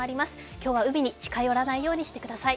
今日は海に近寄らないようにしてください。